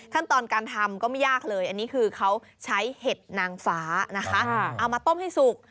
ขั้นตอนการทำก็ไม่ยากเลยอันนี้คือเขาใช้เห็ดนางฟ้านะคะเอามาต้มให้สุก